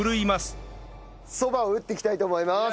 そばを打っていきたいと思います。